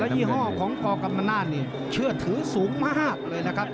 ยี่ห้อของกกรรมนาศนี่เชื่อถือสูงมากเลยนะครับ